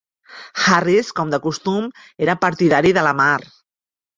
Harris, com de costum, era partidari de la mar.